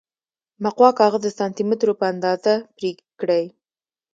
مقوا کاغذ د سانتي مترو په اندازه پرې کړئ.